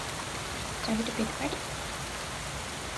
চাবিটা পেতে পারি?